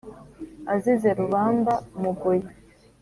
azize rubamba-mugoyi.